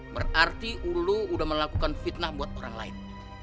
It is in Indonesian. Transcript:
berarti lo udah melakukan fitnah buat orang lain